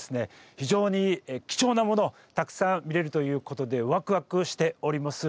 非常に貴重なものをたくさん見れるということでワクワクしております。